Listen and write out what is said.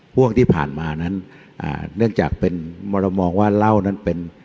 พวกที่ผ่านมานั้นเนื่องจากมรมองว่าเหล้านั้นเป็น